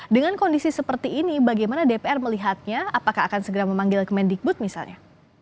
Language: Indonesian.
dengan kondisi seperti ini bagaimana dpr melihatnya apakah akan segera memanggil kemendikbud misalnya